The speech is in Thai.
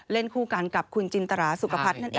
เล่นคู่กันกับคุณจินตราสุขภัทรนั่นเอง